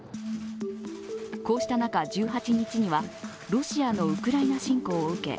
こうした中、１８日にはロシアのウクライナ侵攻を受け